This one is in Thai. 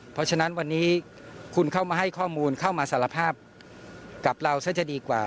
เพราะฉะนั้นวันนี้คุณเข้ามาให้ข้อมูลเข้ามาสารภาพกับเราซะจะดีกว่า